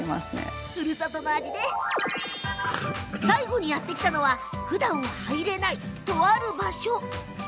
最後にやって来たのはふだん入れない、とある場所。